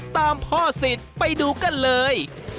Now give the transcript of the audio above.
ตามพ่อสิทธิ์ไปดูกันเลย